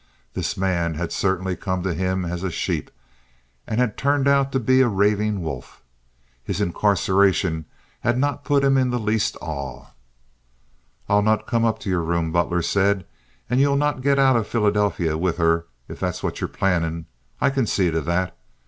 This man had certainly come to him as a sheep, and had turned out to be a ravening wolf. His incarceration had not put him in the least awe. "I'll not come up to your room," Butler said, "and ye'll not get out of Philadelphy with her if that's what ye're plannin'. I can see to that.